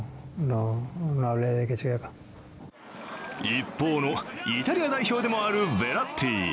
一方のイタリア代表でもあるヴェラッティ。